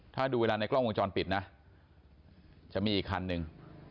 ถ้าดูเวลาในกล้องวงจรปิดนะจะมีอีกคันหนึ่ง